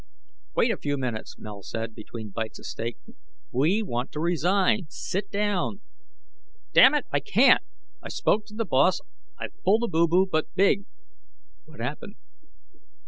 "Wait a few minutes," Mel said, between bites of steak, "we want to resign. Sit down." "Damn it, I can't! I spoke to The Boss. I've pulled a boo boo, but big." "What happened?"